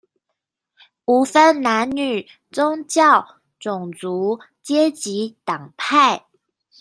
無分男女、宗教、種族、階級、黨派